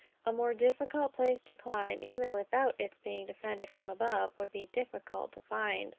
A more difficult place to climb, even without its being defended from above, would be difficult to find.